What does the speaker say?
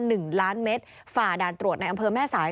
หนึ่งล้านเมตรฝ่าด่านตรวจในอำเภอแม่สาย